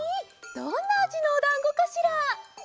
どんなあじのおだんごかしら？